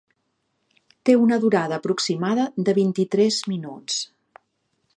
Té una durada aproximada de vint-i-tres minuts.